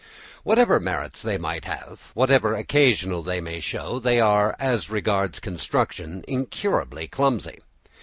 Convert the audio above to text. Whatever merits they may have, whatever occasional they may show, they are, as regards construction, incurably clumsy.